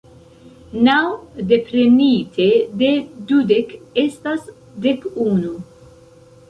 Naŭ deprenite de dudek estas dek unu.